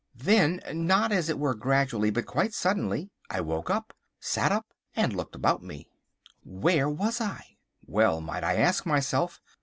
Then, not as it were gradually, but quite suddenly, I woke up, sat up, and looked about me. Where was I? Well might I ask myself.